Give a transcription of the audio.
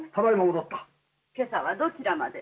今朝はどちらまで？